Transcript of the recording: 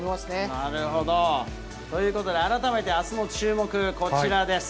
なるほど。ということで、改めてあすの注目、こちらです。